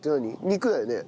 肉だよね。